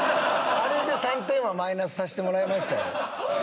あれで３点はマイナスさしてもらいましたよ